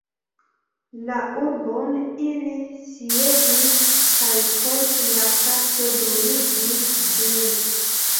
La urbon ili sieĝis kaj, post la kapto, bruligis ĝin.